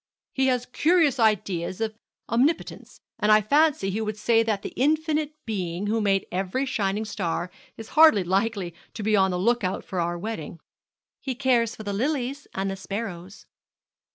'He has curious ideas of omnipotence; and I fancy he would say that the Infinite Being who made every shining star is hardly likely to be on the look out for our wedding.' 'He cares for the lilies and the sparrows.'